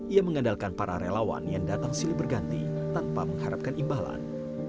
ia mengandalkan para relawan yang datang silih berganti tanpa mengharapkan imbalan